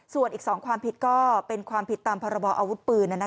ส่วนอีก๒ความผิดก็เป็นความผิดตามพรบออาวุธปืน